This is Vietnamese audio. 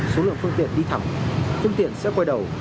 số lượng phương tiện đi thẳng phương tiện sẽ quay đầu